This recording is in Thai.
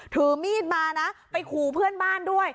ถือมีดมานะไปขู่เพื่อนบ้านด้วย